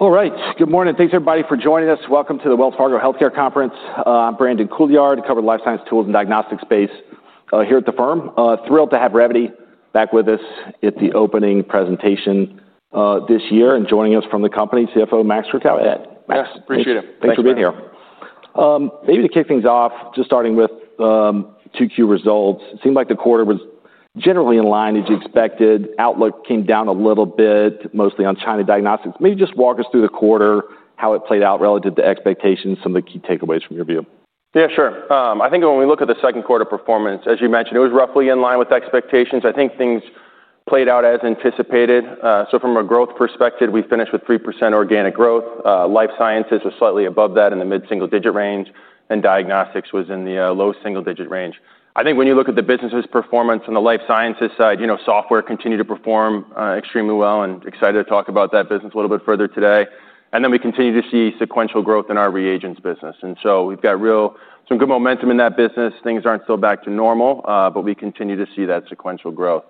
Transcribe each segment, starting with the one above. All right. Good morning. Thanks, everybody, for joining us. Welcome to the Wells Fargo Healthc are Conference. I'm Brandon Couillard, covering the Life Science Tools and Diagnostics space here at the firm. Thrilled to have Revvity back with us at the opening presentation this year and joining us from the company, CFO Maxwell Krakowiak. Yes, appreciate it. Thanks for being here. Maybe to kick things off, just starting with Q2 results. It seemed like the quarter was generally in line as you expected. Outlook came down a little bit, mostly on China diagnostics. Maybe just walk us through the quarter, how it played out relative to expectations, some of the key takeaways from your view. Yeah, sure. I think when we look at the second quarter performance, as you mentioned, it was roughly in line with expectations. I think things played out as anticipated. From a growth perspective, we finished with 3% organic growth. Life sciences was slightly above that in the mid-single-digit range, and diagnostics was in the low single-digit range. I think when you look at the business's performance on the life sciences side, software continued to perform extremely well. I'm excited to talk about that business a little bit further today. We continue to see sequential growth in our reagents business, so we've got some good momentum in that business. Things aren't still back to normal, but we continue to see that sequential growth.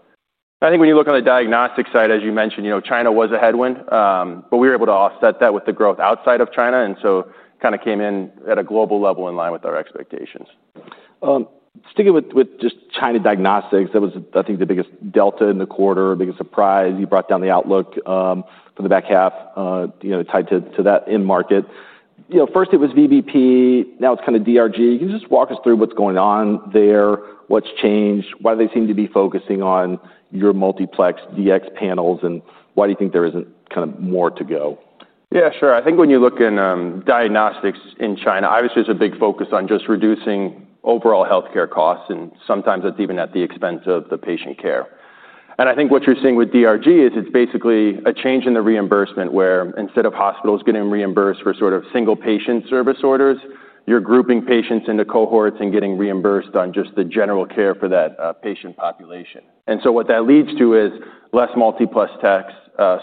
I think when you look on the diagnostics side, as you mentioned, China was a headwind, but we were able to offset that with the growth outside of China. It kind of came in at a global level in line with our expectations. Sticking with just China diagnostics, that was, I think, the biggest delta in the quarter, biggest surprise. You brought down the outlook for the back half tied to that in-market. First it was VBP, now it's kind of DRG. You can just walk us through what's going on there, what's changed, why do they seem to be focusing on your multiplex diagnostic panels, and why do you think there isn't kind of more to go? Yeah, sure. I think when you look in diagnostics in China, obviously there's a big focus on just reducing overall health care costs, and sometimes that's even at the expense of the patient care. I think what you're seeing with DRG is it's basically a change in the reimbursement where instead of hospitals getting reimbursed for sort of single-patient service orders, you're grouping patients into cohorts and getting reimbursed on just the general care for that patient population. That leads to less multiplex techs,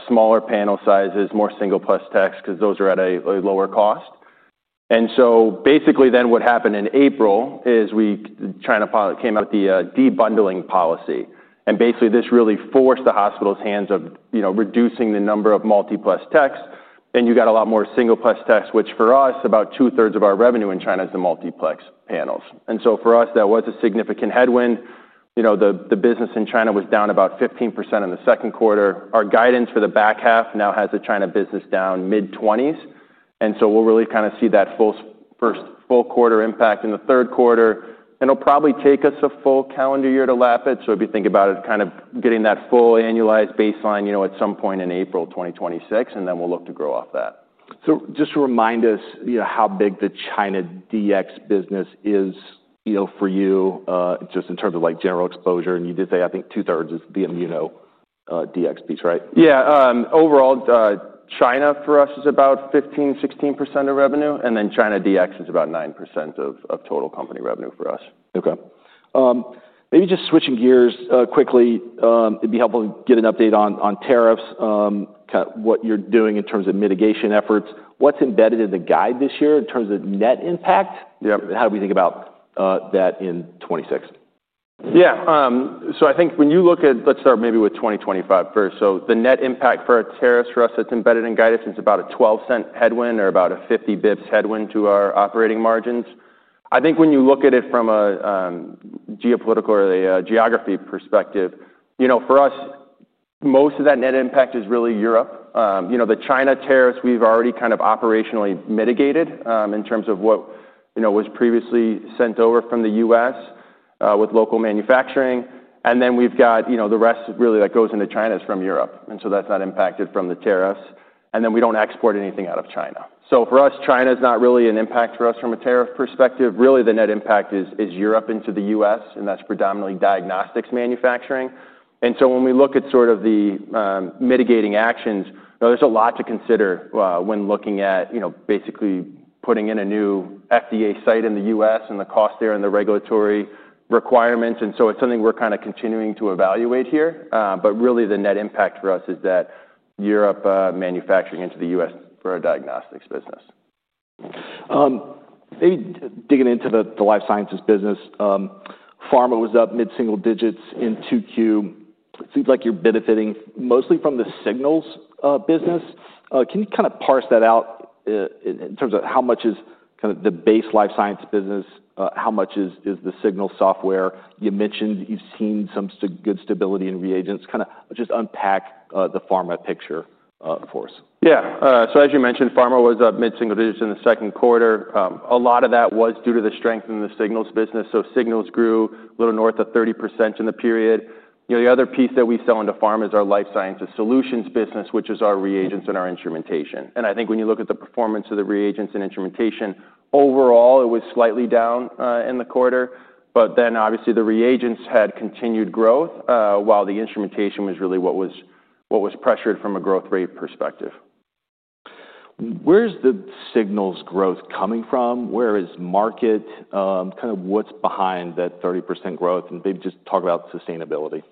smaller panel sizes, more single-plus techs because those are at a lower cost. Basically then what happened in April is China came out with the debundling policy. This really forced the hospital's hands on reducing the number of multiplex techs. You got a lot more single-plus techs, which for us, about 2/3 of our revenue in China is the multiplex panels. For us, that was a significant headwind. The business in China was down about 15% in the second quarter. Our guidance for the back half now has the China business down mid-20%. We'll really kind of see that first full quarter impact in the third quarter. It'll probably take us a full calendar year to lap it. If you think about it, kind of getting that full annualized baseline at some point in April 2026, and then we'll look to grow off that. Just to remind us how big the China DX business is for you in terms of general exposure, you did say I think 2/3 is the ImmunoDX piece, right? Overall, China for us is about 15%- 16% of revenue, and then China DX is about 9% of total company revenue for us. OK. Maybe just switching gears quickly, it'd be helpful to get an update on tariffs, kind of what you're doing in terms of mitigation efforts. What's embedded in the guide this year in terms of net impact? How do we think about that in 2026? Yeah. I think when you look at, let's start maybe with 2025 first. The net impact for our tariffs for us that's embedded in guidance is about a $0.12 headwind or about a 50 basis point headwind to our operating margins. I think when you look at it from a geopolitical or a geography perspective, for us, most of that net impact is really Europe. The China tariffs we've already kind of operationally mitigated in terms of what was previously sent over from the U.S. with local manufacturing. We've got the rest really that goes into China from Europe, and so that's not impacted from the tariffs. We don't export anything out of China, so for us, China is not really an impact for us from a tariff perspective. Really, the net impact is Europe into the U.S., and that's predominantly diagnostics manufacturing. When we look at sort of the mitigating actions, there's a lot to consider when looking at basically putting in a new FDA site in the U.S. and the cost there and the regulatory requirements. It's something we're kind of continuing to evaluate here. Really, the net impact for us is that Europe manufacturing into the U.S. for our diagnostics business. Maybe digging into the life sciences business, pharma was up mid-single digits in Q2. Seems like you're benefiting mostly from the Signals business. Can you kind of parse that out in terms of how much is kind of the base life science business, how much is the Signals software? You mentioned you've seen some good stability in reagents. Kind of just unpack the pharma picture for us. Yeah. As you mentioned, pharma was up mid-single digits in the second quarter. A lot of that was due to the strength in the Signals business. Signals grew a little north of 30% in the period. The other piece that we sell into pharma is our life sciences solutions business, which is our reagents and our instrumentation. I think when you look at the performance of the reagents and instrumentation, overall, it was slightly down in the quarter. Obviously, the reagents had continued growth while the instrumentation was really what was pressured from a growth rate perspective. Where is the Signals growth coming from? Where is the market? What's behind that 30% growth? Maybe just talk about sustainability.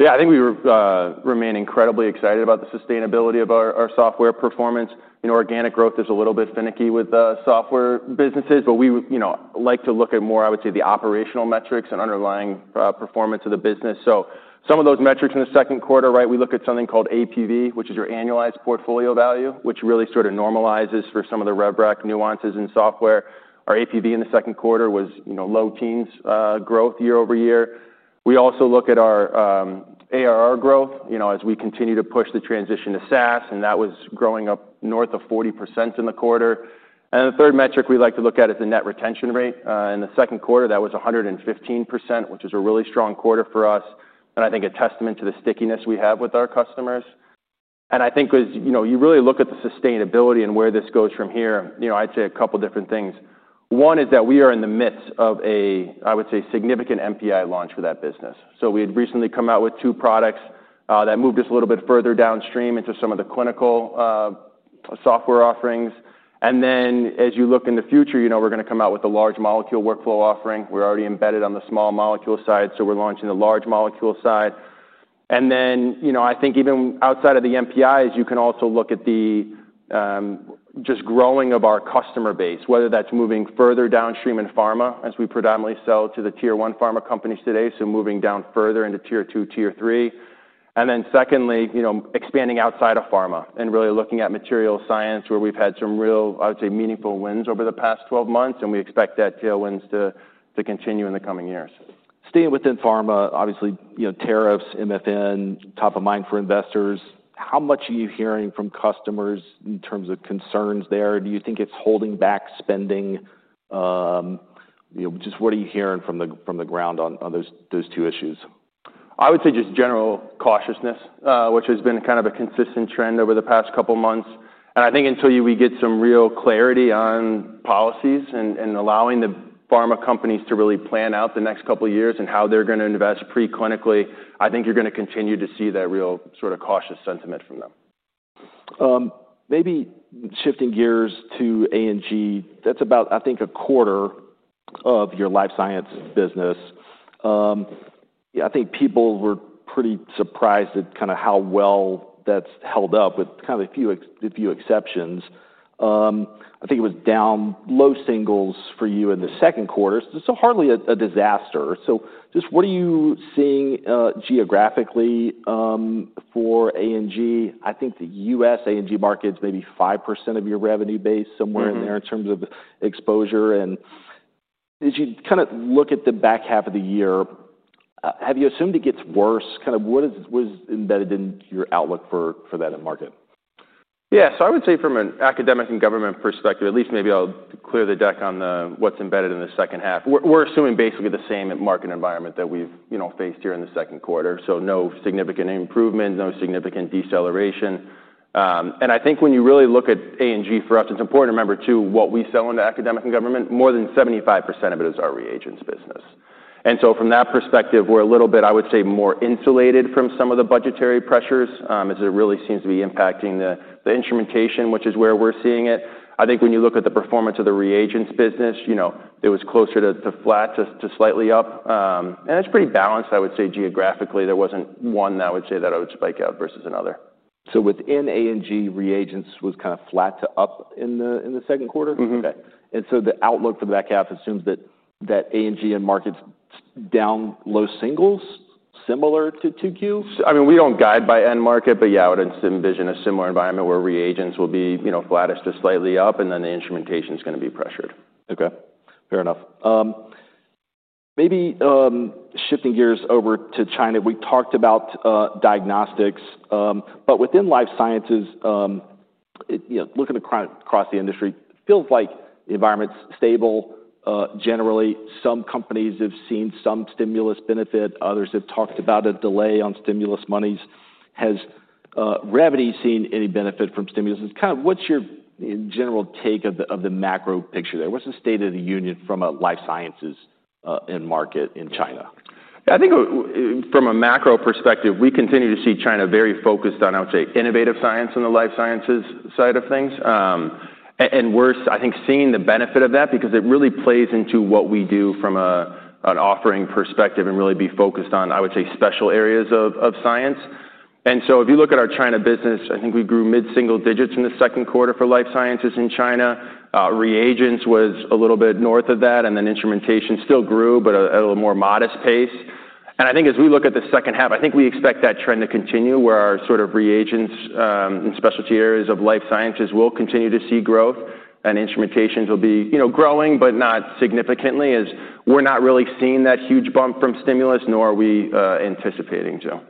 Yeah, I think we remain incredibly excited about the sustainability of our software performance. Organic growth is a little bit finicky with software businesses, but we like to look at more, I would say, the operational metrics and underlying performance of the business. Some of those metrics in the second quarter, we look at something called APV, which is your annualized portfolio value, which really sort of normalizes for some of the Revrek nuances in software. Our APV in the second quarter was low teens growth year- over- year. We also look at our ARR growth as we continue to push the transition to SaaS, and that was growing up north of 40% in the quarter. The third metric we like to look at is the net retention rate. In the second quarter, that was 115%, which was a really strong quarter for us, and I think a testament to the stickiness we have with our customers. As you really look at the sustainability and where this goes from here, I'd say a couple of different things. One is that we are in the midst of a, I would say, significant MPI launch for that business. We had recently come out with two products that moved us a little bit further downstream into some of the clinical software offerings. As you look in the future, we're going to come out with a large molecule workflow offering. We're already embedded on the small molecule side, so we're launching the large molecule side. Even outside of the MPIs, you can also look at the just growing of our customer base, whether that's moving further downstream in pharma, as we predominantly sell to the tier one pharma companies today, so moving down further into Tier 1, Tier 3. Secondly, expanding outside of pharma and really looking at material science, where we've had some real, I would say, meaningful wins over the past 12 months, and we expect that to continue in the coming years. Staying within pharma, obviously, tariffs, MFN, top of mind for investors. How much are you hearing from customers in terms of concerns there? Do you think it's holding back spending? Just what are you hearing from the ground on those two issues? I would say just general cautiousness, which has been kind of a consistent trend over the past couple of months. I think until we get some real clarity on policies and allowing the pharma companies to really plan out the next couple of years and how they're going to invest preclinically, I think you're going to continue to see that real sort of cautious sentiment from them. Maybe shifting gears to A&G, that's about, I think, a quarter of your life science business. I think people were pretty surprised at kind of how well that's held up with kind of a few exceptions. I think it was down low singles for you in the second quarter, hardly a disaster. Just what are you seeing geographically for A&G? I think the U.S. A&G market is maybe 5% of your revenue base, somewhere in there in terms of exposure. As you kind of look at the back half of the year, have you assumed it gets worse? What is embedded in your outlook for that in the market? Yeah, I would say from an academic and government perspective, at least maybe I'll clear the deck on what's embedded in the second half. We're assuming basically the same market environment that we've faced here in the second quarter. No significant improvements, no significant deceleration. I think when you really look at A&G for us, it's important to remember, too, what we sell into academic and government, more than 75% of it is our reagents business. From that perspective, we're a little bit, I would say, more insulated from some of the budgetary pressures as it really seems to be impacting the instrumentation, which is where we're seeing it. I think when you look at the performance of the reagents business, it was closer to flat to slightly up. It's pretty balanced, I would say, geographically. There wasn't one that I would spike out versus another. Within A&G, reagents was kind of flat to up in the second quarter? OK. The outlook for the back half assumes that A&G and markets down low singles, similar to Q2? I mean, we don't guide by end market, but yeah, I would envision a similar environment where reagents will be flattish to slightly up, and then the instrumentation is going to be pressured. OK. Fair enough. Maybe shifting gears over to China, we talked about diagnostics. Within life sciences, looking across the industry, it feels like the environment's stable. Generally, some companies have seen some stimulus benefit. Others have talked about a delay on stimulus monies. Has Revvity seen any benefit from stimulus? What's your general take of the macro picture there? What's the state of the union from a life sciences and market in China? I think from a macro perspective, we continue to see China very focused on, I would say, innovative science in the life sciences side of things. We're, I think, seeing the benefit of that because it really plays into what we do from an offering perspective and really be focused on, I would say, special areas of science. If you look at our China business, I think we grew mid-single digits in the second quarter for life sciences in China. Reagents was a little bit north of that, and then instrumentation still grew, but at a more modest pace. As we look at the second half, I think we expect that trend to continue where our sort of reagents and specialty areas of life sciences will continue to see growth, and instrumentations will be growing, but not significantly as we're not really seeing that huge bump from stimulus, nor are we anticipating so.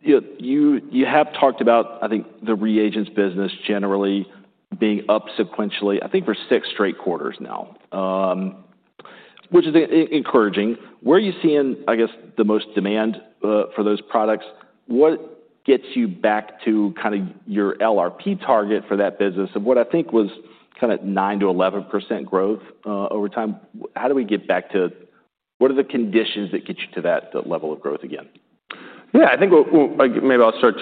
You have talked about the reagents business generally being up sequentially, I think, for six straight quarters now, which is encouraging. Where are you seeing the most demand for those products? What gets you back to kind of your LRP target for that business of what I think was kind of 9%- 11% growth over time? How do we get back to what are the conditions that get you to that level of growth again? Yeah, I think maybe I'll start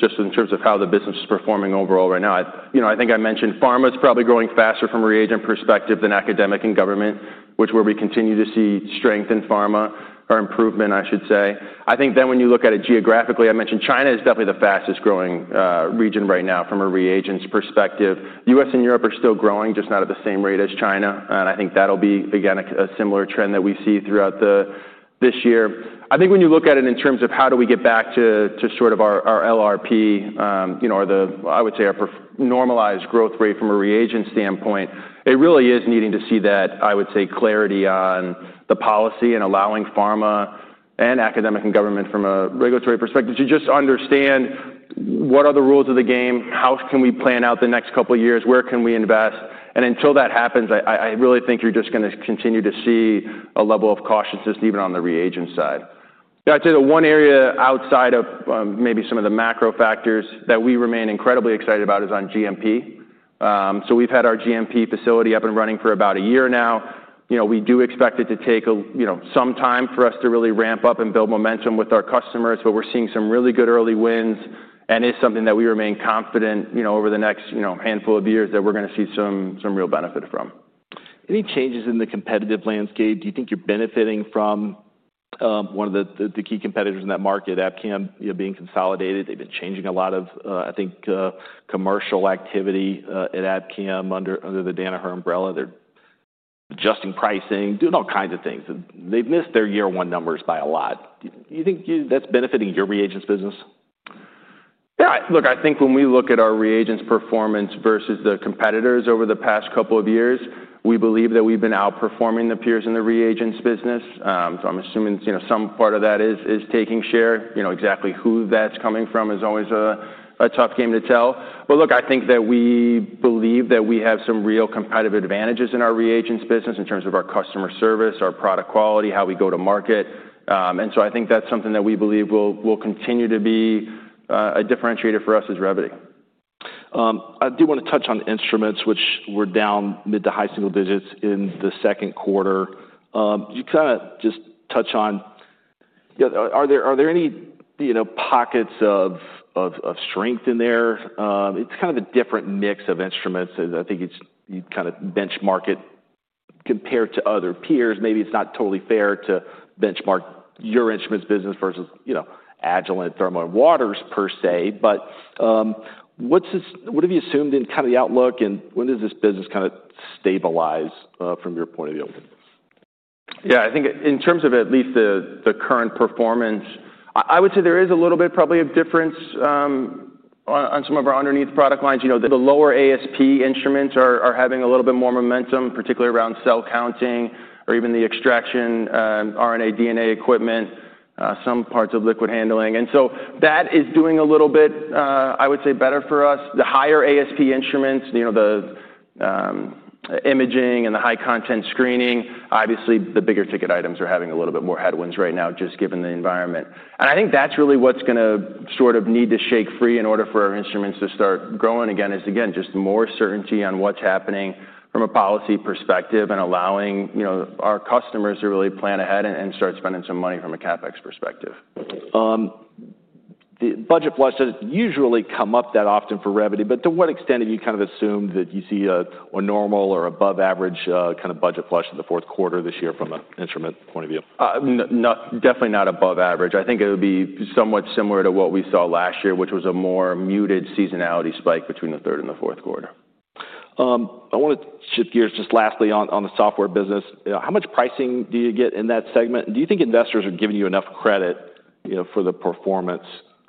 just in terms of how the business is performing overall right now. I think I mentioned pharma is probably growing faster from a reagent perspective than academic and government, which is where we continue to see strength in pharma or improvement, I should say. I think when you look at it geographically, I mentioned China is definitely the fastest growing region right now from a reagents perspective. U.S. and Europe are still growing, just not at the same rate as China. I think that'll be, again, a similar trend that we see throughout this year. When you look at it in terms of how do we get back to sort of our LRP, or I would say our normalized growth rate from a reagent standpoint, it really is needing to see that clarity on the policy and allowing pharma and academic and government from a regulatory perspective to just understand what are the rules of the game, how can we plan out the next couple of years, where can we invest. Until that happens, I really think you're just going to continue to see a level of cautiousness even on the reagent side. I'd say the one area outside of maybe some of the macro factors that we remain incredibly excited about is on GMP. We've had our GMP facility up and running for about a year now. We do expect it to take some time for us to really ramp up and build momentum with our customers, but we're seeing some really good early wins and it is something that we remain confident over the next handful of years that we're going to see some real benefit from. Any changes in the competitive landscape? Do you think you're benefiting from one of the key competitors in that market, Abcam, being consolidated? They've been changing a lot of, I think, commercial activity at Abcam under the Danaher umbrella. They're adjusting pricing, doing all kinds of things, and they've missed their year one numbers by a lot. Do you think that's benefiting your reagents business? Yeah, look, I think when we look at our reagents performance versus the competitors over the past couple of years, we believe that we've been outperforming the peers in the reagents business. I'm assuming some part of that is taking share. Exactly who that's coming from is always a tough game to tell. I think that we believe that we have some real competitive advantages in our reagents business in terms of our customer service, our product quality, how we go to market. I think that's something that we believe will continue to be a differentiator for us as Revvity. I do want to touch on the instruments, which were down mid to high single digits in the second quarter. You kind of just touched on, are there any pockets of strength in there? It's kind of a different mix of instruments. I think you kind of benchmark it compared to other peers. Maybe it's not totally fair to benchmark your instruments business versus Agilent, Thermo, and Waters per se. What have you assumed in kind of the outlook, and when does this business kind of stabilize from your point of view? Yeah, I think in terms of at least the current performance, I would say there is a little bit probably of difference on some of our underneath product lines. The lower ASP instruments are having a little bit more momentum, particularly around cell counting or even the extraction RNA-DNA equipment, some parts of liquid handling. That is doing a little bit, I would say, better for us. The higher ASP instruments, the imaging and the high content screening, obviously the bigger ticket items, are having a little bit more headwinds right now just given the environment. I think that's really what's going to sort of need to shake free in order for our instruments to start growing again is, again, just more certainty on what's happening from a policy perspective and allowing our customers to really plan ahead and start spending some money from a CapEx perspective. Budget flush doesn't usually come up that often for Revvity, but to what extent have you kind of assumed that you see a normal or above average kind of budget flush in the fourth quarter this year from an instrument point of view? Definitely not above average. I think it would be somewhat similar to what we saw last year, which was a more muted seasonality spike between the third and the fourth quarter. I want to shift gears just lastly on the software business. How much pricing do you get in that segment? Do you think investors are giving you enough credit for the performance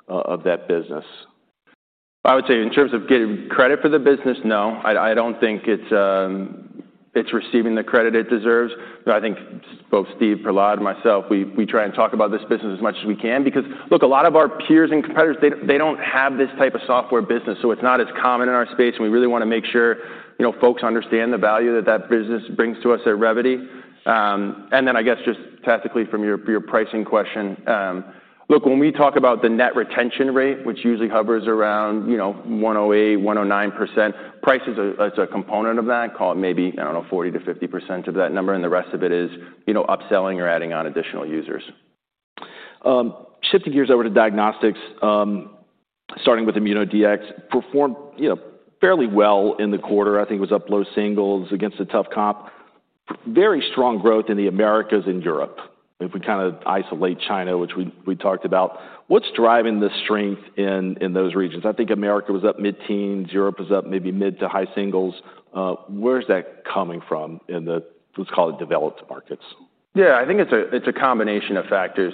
of that business? I would say in terms of getting credit for the business, no, I don't think it's receiving the credit it deserves. I think both Steve, Prahlad, and myself, we try and talk about this business as much as we can because, look, a lot of our peers and competitors, they don't have this type of software business. It's not as common in our space, and we really want to make sure folks understand the value that that business brings to us at Revvity. I guess just tactically from your pricing question, when we talk about the net retention rate, which usually hovers around 108%, 109%, price is a component of that. Call it maybe, I don't know, 40%- 50% of that number, and the rest of it is upselling or adding on additional users. Shifting gears over to diagnostics, starting with ImmunoDX, performed fairly well in the quarter. I think it was up low singles against a tough comp. Very strong growth in the Americas and Europe if we kind of isolate China, which we talked about. What's driving the strength in those regions? I think Americas was up mid-teens, Europe was up maybe mid to high singles. Where's that coming from in the, let's call it, developed markets? Yeah, I think it's a combination of factors.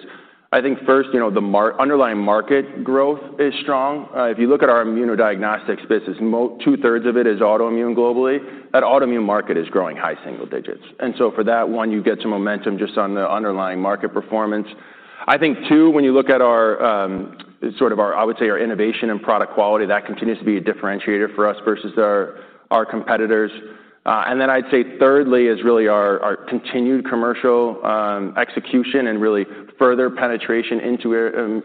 I think first, the underlying market growth is strong. If you look at our ImmunoDX business, 2/3 of it is autoimmune globally. That autoimmune market is growing high single digits, so for that one, you get some momentum just on the underlying market performance. I think, too, when you look at our innovation and product quality, that continues to be a differentiator for us versus our competitors. Thirdly, it's really our continued commercial execution and really further penetration into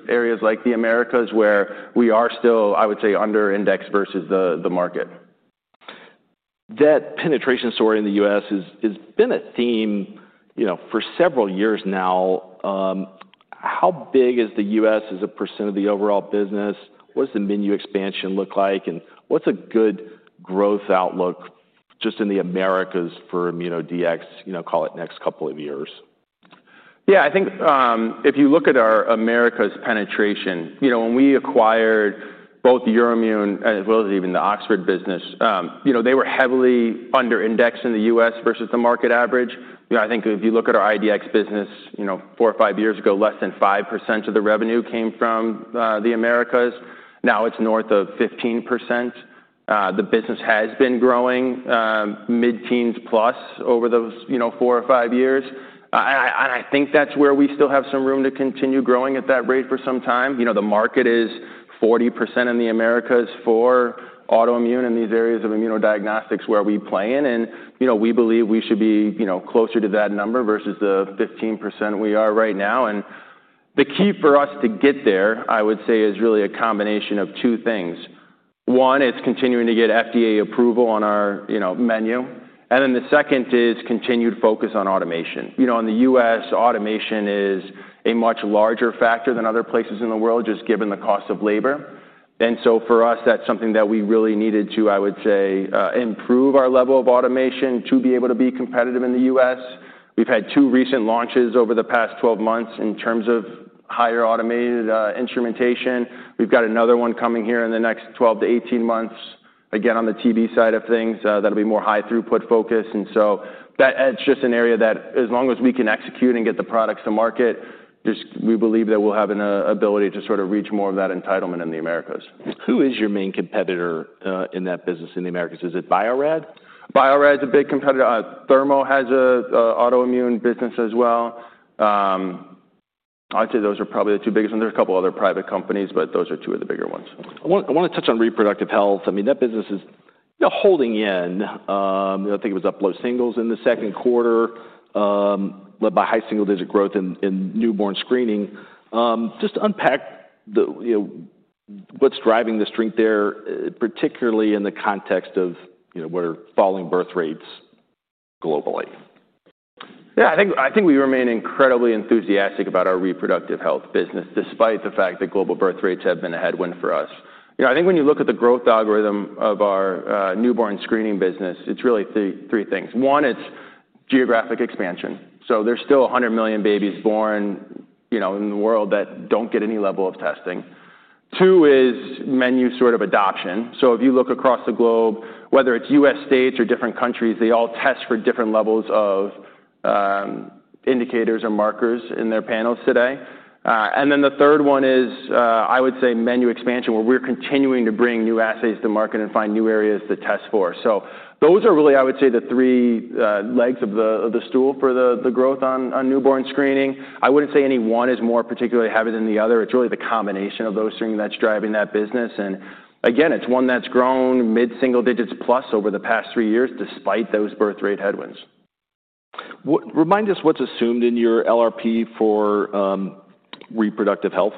areas like the Americas where we are still, I would say, under index versus the market. That penetration story in the U.S. has been a theme for several years now. How big is the U.S. as a % of the overall business? What does the menu expansion look like? What's a good growth outlook just in the Americas for ImmunoDX, call it next couple of years? Yeah, I think if you look at our Americas penetration, when we acquired both the Euroimmun as well as even the Oxford business, they were heavily under index in the U.S. versus the market average. I think if you look at our ImmunoDX business four or five years ago, less than 5% of the revenue came from the Americas. Now it's north of 15%. The business has been growing mid-teens plus over those four or five years. I think that's where we still have some room to continue growing at that rate for some time. The market is 40% in the Americas for autoimmune in these areas of immunodiagnostics where we play in. We believe we should be closer to that number versus the 15% we are right now. The key for us to get there, I would say, is really a combination of two things. One, it's continuing to get FDA approval on our menu. The second is continued focus on automation. In the U.S., automation is a much larger factor than other places in the world, just given the cost of labor. For us, that's something that we really needed to, I would say, improve our level of automation to be able to be competitive in the U.S. We've had two recent launches over the past 12 months in terms of higher automated instrumentation. We've got another one coming here in the next 12- 18 months, again on the TB side of things. That'll be more high throughput focus. That's just an area that as long as we can execute and get the products to market, we believe that we'll have an ability to sort of reach more of that entitlement in the Americas. Who is your main competitor in that business in the Americas? Is it Bio-Rad? Bio-Rad is a big competitor. Thermo has an autoimmune business as well. I'd say those are probably the two biggest ones. There's a couple of other private companies, but those are two of the bigger ones. I want to touch on reproductive health. That business is holding in. I think it was up low singles in the second quarter, led by high single digit growth in newborn screening. Just unpack what's driving the strength there, particularly in the context of what are falling birth rates globally. Yeah, I think we remain incredibly enthusiastic about our reproductive health business, despite the fact that global birth rates have been a headwind for us. I think when you look at the growth algorithm of our newborn screening business, it's really three things. One, it's geographic expansion. There's still 100 million babies born in the world that don't get any level of testing. Two is menu sort of adoption. If you look across the globe, whether it's U.S. states or different countries, they all test for different levels of indicators or markers in their panels today. The third one is, I would say, menu expansion, where we're continuing to bring new assays to market and find new areas to test for. Those are really, I would say, the three legs of the stool for the growth on newborn screening. I wouldn't say any one is more particularly heavy than the other. It's really the combination of those things that's driving that business. It's one that's grown mid-single digits plus over the past three years, despite those birth rate headwinds. Remind us what's assumed in your LRP for reproductive health.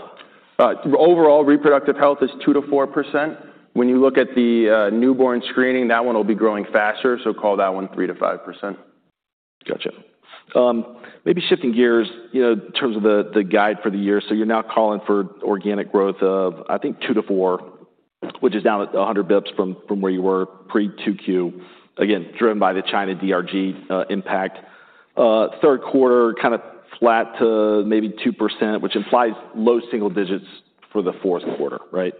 Overall, reproductive health is 2%- 4%. When you look at the newborn screening, that one will be growing faster. Call that one 3%- 5%. Gotcha. Maybe shifting gears in terms of the guide for the year. You're now calling for organic growth of, I think, 2%- 4%, which is down 100 basis point from where you were pre-2Q, again driven by the China DRG impact. Third quarter, kind of flat to maybe 2%, which implies low single- digits for the fourth quarter, right?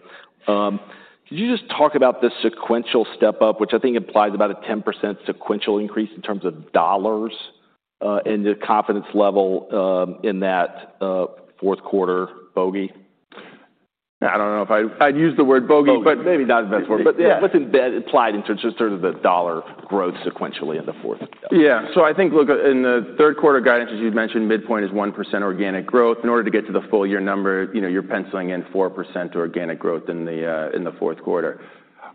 Could you just talk about the sequential step up, which I think implies about a 10% sequential increase in terms of dollars, and the confidence level in that fourth quarter bogey? I don't know if I'd use the word bogey, maybe not the best word. Let's imply it in terms of the dollar growth sequentially in the fourth. Yeah, so I think, look, in the third quarter guidance, as you mentioned, midpoint is 1% organic growth. In order to get to the full year number, you're penciling in 4% organic growth in the fourth quarter.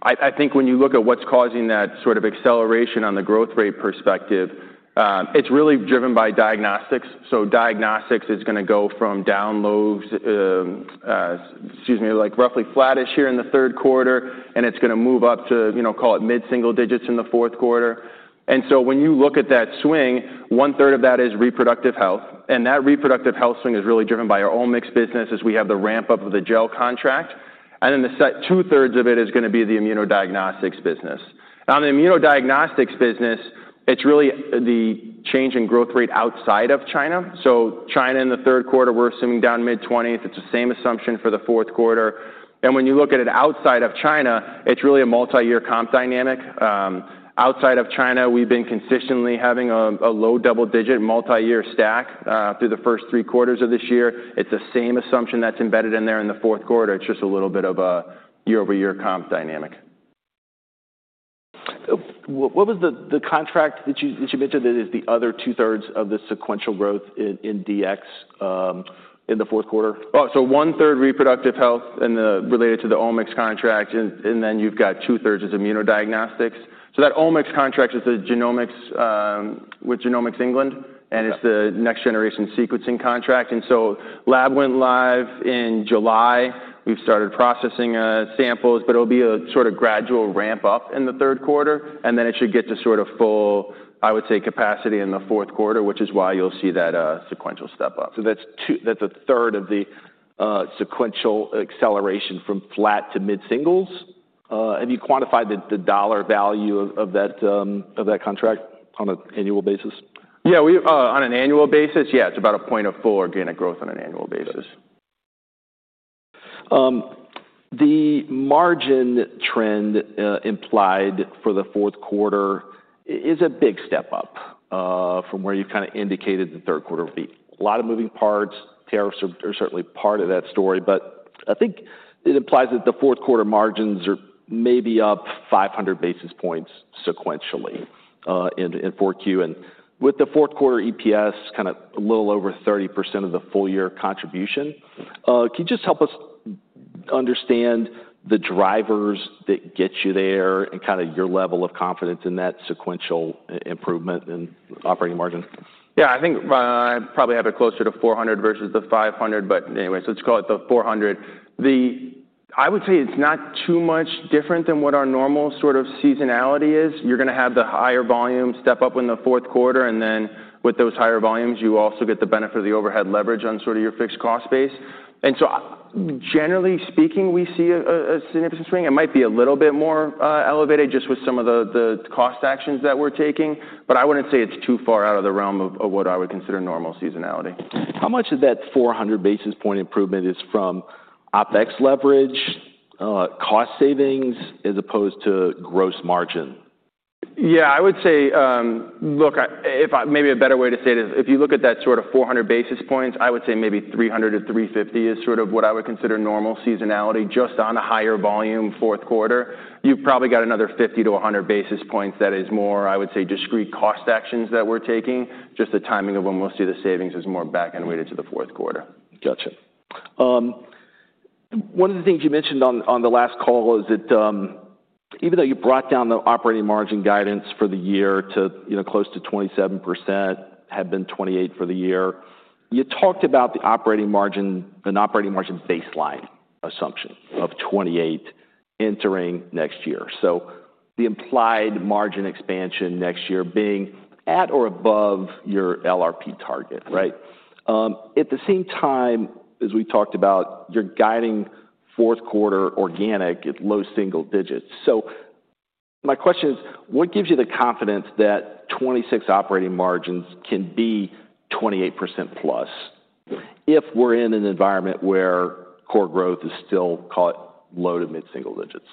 I think when you look at what's causing that sort of acceleration on the growth rate perspective, it's really driven by diagnostics. Diagnostics is going to go from down lows, excuse me, like roughly flattish here in the third quarter, and it's going to move up to, call it, mid-single digits in the fourth quarter. When you look at that swing, one-third of that is reproductive health. That reproductive health swing is really driven by our own mixed business as we have the ramp-up of the gel contract. The 2/3 of it is going to be the immunodiagnostics business. On the immunodiagnostics business, it's really the change in growth rate outside of China. China in the third quarter, we're assuming down mid-20%. It's the same assumption for the fourth quarter. When you look at it outside of China, it's really a multi-year comp dynamic. Outside of China, we've been consistently having a low double-digit multi-year stack through the first three quarters of this year. It's the same assumption that's embedded in there in the fourth quarter. It's just a little bit of a year-over-year comp dynamic. What was the contract that you mentioned that is the other 2/3 of the sequential growth in DX in the fourth quarter? One-third reproductive health related to the Omics contract, and then you've got two-thirds is immunodiagnostics. That Omics contract is with Genomics England, and it's the next-generation sequencing contract. The lab went live in July. We've started processing samples, but it'll be a sort of gradual ramp-up in the third quarter. It should get to sort of full, I would say, capacity in the fourth quarter, which is why you'll see that sequential step up. That's 1/3 of the sequential acceleration from flat to mid-singles. Have you quantified the dollar value of that contract on an annual basis? Yeah, on an annual basis, it's about a point of full organic growth on an annual basis. The margin trend implied for the fourth quarter is a big step up from where you kind of indicated the third quarter will be. A lot of moving parts, tariffs are certainly part of that story. I think it implies that the fourth quarter margins are maybe up 500 basis points sequentially in Q4. With the fourth quarter EPS kind of a little over 30% of the full year contribution, can you just help us understand the drivers that get you there and kind of your level of confidence in that sequential improvement in operating margins? I think I probably have it closer to $400 million versus the $500 million. Anyway, let's call it the $400 million. I would say it's not too much different than what our normal sort of seasonality is. You're going to have the higher volume step up in the fourth quarter. With those higher volumes, you also get the benefit of the overhead leverage on your fixed cost base. Generally speaking, we see a significant swing. It might be a little bit more elevated just with some of the cost actions that we're taking. I wouldn't say it's too far out of the realm of what I would consider normal seasonality. How much of that 400 basis point improvement is from OpEx leverage, cost savings, as opposed to gross margin? Yeah, I would say, look, maybe a better way to say it is if you look at that sort of 400 basis points, I would say maybe 300- 350 is sort of what I would consider normal seasonality just on a higher volume fourth quarter. You've probably got another 50- 100 basis points that is more, I would say, discrete cost actions that we're taking, just the timing of when we'll see the savings is more back and weighted to the fourth quarter. Gotcha. One of the things you mentioned on the last call is that even though you brought down the operating margin guidance for the year to close to 27%, had been 28% for the year, you talked about an operating margin baseline assumption of 28% entering next year. The implied margin expansion next year being at or above your LRP target, right? At the same time as we talked about, you're guiding fourth quarter organic at low single digits. My question is, what gives you the confidence that 2026 operating margins can be 28%+ if we're in an environment where core growth is still, call it, low to mid-single digits?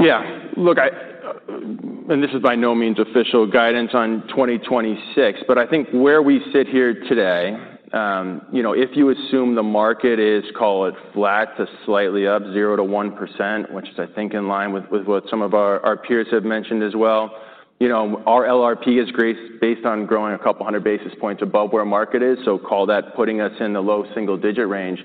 Yeah, look, this is by no means official guidance on 2026, but I think where we sit here today, if you assume the market is, call it, flat to slightly up, 0%- 1%, which is, I think, in line with what some of our peers have mentioned as well. Our LRP is based on growing a couple hundred basis points above where market is. Call that putting us in the low- single digit range.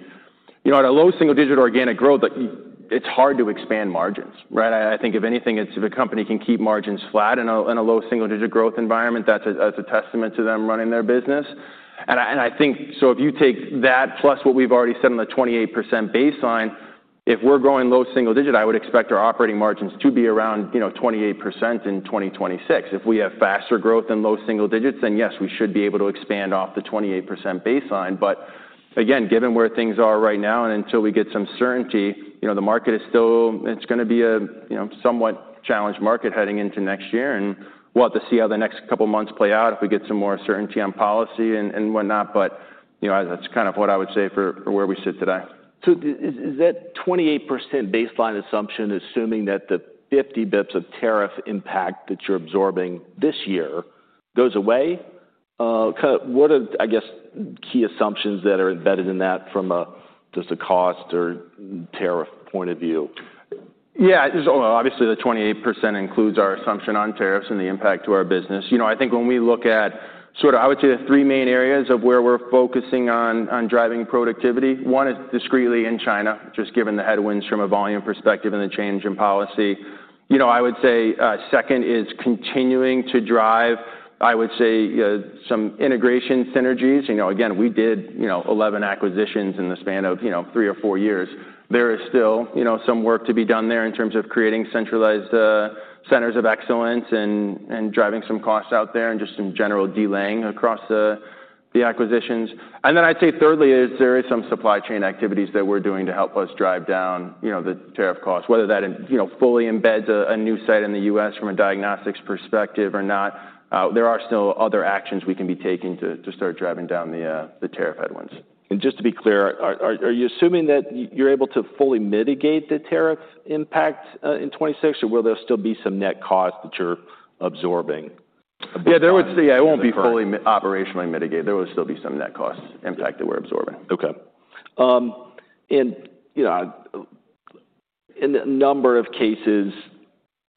At a low single digit organic growth, it's hard to expand margins, right? I think if anything, if a company can keep margins flat in a low single digit growth environment, that's a testament to them running their business. If you take that plus what we've already said on the 28% baseline, if we're growing low- single digit, I would expect our operating margins to be around 28% in 2026. If we have faster growth in low- single digits, then yes, we should be able to expand off the 28% baseline. Given where things are right now and until we get some certainty, the market is still, it's going to be a somewhat challenged market heading into next year. We'll have to see how the next couple of months play out if we get some more certainty on policy and whatnot. That's kind of what I would say for where we sit today. Is that 28% baseline assumption assuming that the 50 basis point of tariff impact that you're absorbing this year goes away? What are key assumptions that are embedded in that from just a cost or tariff point of view? Yeah, obviously the 28% includes our assumption on tariffs and the impact to our business. I think when we look at, I would say, the three main areas of where we're focusing on driving productivity, one is discretely in China, just given the headwinds from a volume perspective and the change in policy. I would say second is continuing to drive, I would say, some integration synergies. Again, we did 11 acquisitions in the span of three or four years. There is still some work to be done there in terms of creating centralized centers of excellence and driving some costs out there and just some general delaying across the acquisitions. I'd say thirdly, there are some supply chain activities that we're doing to help us drive down the tariff costs, whether that fully embeds a new site in the U.S. from a diagnostics perspective or not. There are still other actions we can be taking to start driving down the tariff headwinds. To be clear, are you assuming that you're able to fully mitigate the tariff impact in 2026, or will there still be some net cost that you're absorbing? Yeah, it won't be fully operationally mitigated. There will still be some net cost impact that we're absorbing. OK. In a number of cases,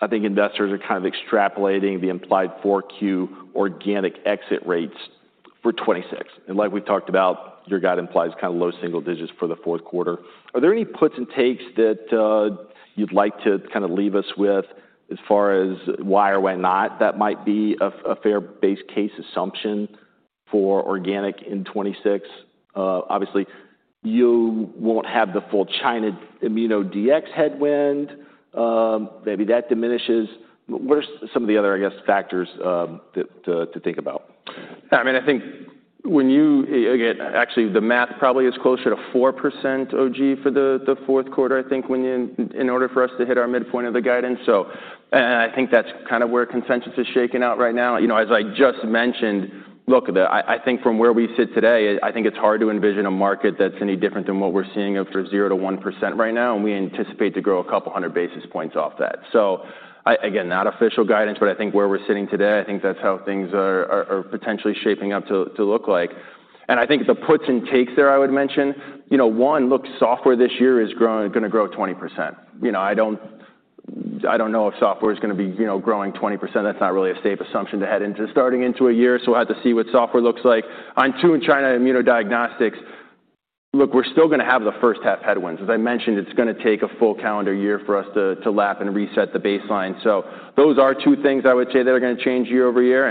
I think investors are kind of extrapolating the implied 4Q organic exit rates for 2026. Like we talked about, your guide implies kind of low- single digits for the fourth quarter. Are there any puts and takes that you'd like to kind of leave us with as far as why or why not that might be a fair base case assumption for organic in 2026? Obviously, you won't have the full China ImmunoDX headwind. Maybe that diminishes. What are some of the other, I guess, factors to think about? I mean, I think when you, again, actually the math probably is closer to 4% OG for the fourth quarter, I think, in order for us to hit our midpoint of the guidance. I think that's kind of where consensus is shaken out right now. As I just mentioned, look, I think from where we sit today, I think it's hard to envision a market that's any different than what we're seeing after 0%- 1% right now. We anticipate to grow a couple hundred basis points off that. Again, not official guidance, but I think where we're sitting today, I think that's how things are potentially shaping up to look like. I think the puts and takes there, I would mention, one, look, software this year is going to grow 20%. I don't know if software is going to be growing 20%. That's not really a safe assumption to head into starting into a year. We'll have to see what software looks like. On two in China immunodiagnostics, look, we're still going to have the first half headwinds. As I mentioned, it's going to take a full calendar year for us to lap and reset the baseline. Those are two things I would say that are going to change year over year.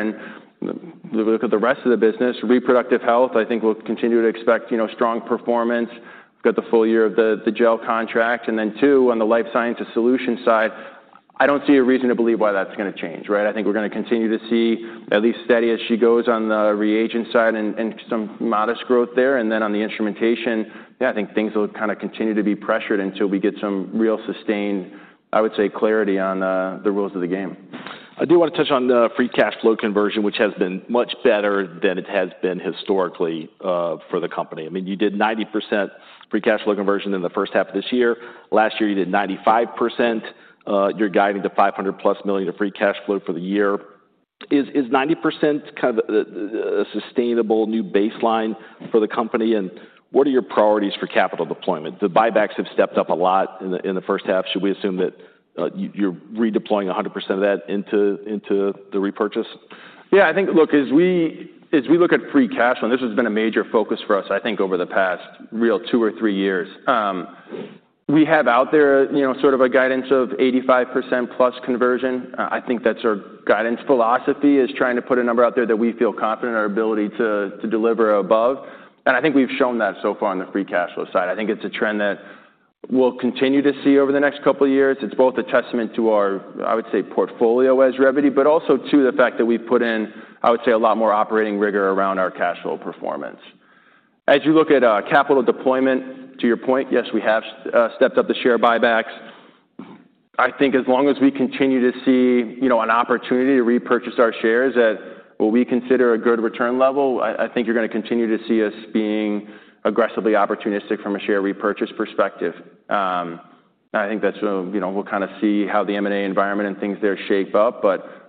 Look at the rest of the business, reproductive health, I think we'll continue to expect strong performance, get the full year of the gel contract. Two, on the life sciences solution side, I don't see a reason to believe why that's going to change. I think we're going to continue to see at least steady as she goes on the reagent side and some modest growth there. On the instrumentation, I think things will kind of continue to be pressured until we get some real sustained, I would say, clarity on the rules of the game. I do want to touch on the free cash flow conversion, which has been much better than it has been historically for the company. I mean, you did 90% free cash flow conversion in the first half of this year. Last year, you did 95%. You're guiding to $500+ million of free cash flow for the year. Is 90% kind of a sustainable new baseline for the company? What are your priorities for capital deployment? The buybacks have stepped up a lot in the first half. Should we assume that you're redeploying 100% of that into the repurchase? Yeah, I think, look, as we look at free cash flow, and this has been a major focus for us, I think, over the past real two or three years, we have out there sort of a guidance of 85%+ conversion. I think that's our guidance philosophy, is trying to put a number out there that we feel confident in our ability to deliver above. I think we've shown that so far on the free cash flow side. I think it's a trend that we'll continue to see over the next couple of years. It's both a testament to our, I would say, portfolio as Revvity, but also to the fact that we've put in, I would say, a lot more operating rigor around our cash flow performance. As you look at capital deployment, to your point, yes, we have stepped up the share buybacks. I think as long as we continue to see an opportunity to repurchase our shares at what we consider a good return level, I think you're going to continue to see us being aggressively opportunistic from a share repurchase perspective. I think that's what we'll kind of see, how the M&A environment and things there shape up.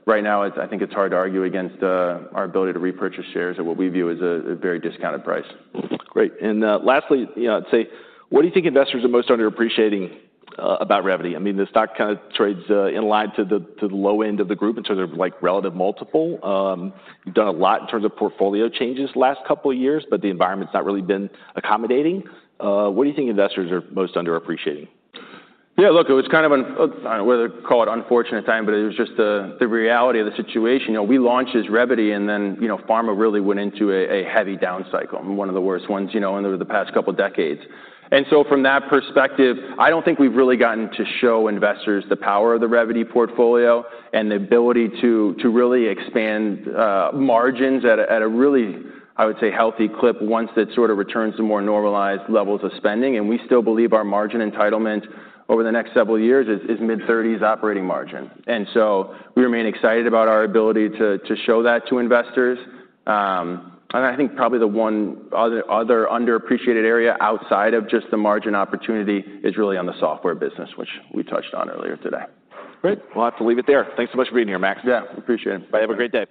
Right now, I think it's hard to argue against our ability to repurchase shares at what we view as a very discounted price. Right. Lastly, I'd say, what do you think investors are most underappreciating about Revvity? I mean, the stock kind of trades in line to the low end of the group in terms of relative multiple. You've done a lot in terms of portfolio changes the last couple of years, but the environment's not really been accommodating. What do you think investors are most underappreciating? Yeah, look, it was kind of a, I don't know whether to call it unfortunate time, but it was just the reality of the situation. We launched as Revvity, and then pharma really went into a heavy down cycle, one of the worst ones in the past couple of decades. From that perspective, I don't think we've really gotten to show investors the power of the Revvity portfolio and the ability to really expand margins at a really, I would say, healthy clip once that sort of returns to more normalized levels of spending. We still believe our margin entitlement over the next several years is mid-30% operating margin. We remain excited about our ability to show that to investors. I think probably the other underappreciated area outside of just the margin opportunity is really on the software business, which we touched on earlier today. Great. We'll have to leave it there. Thanks so much for being here, Max. Yeah, appreciate it. Bye. Have a great day.